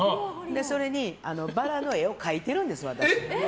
それにバラの絵を描いてるんです。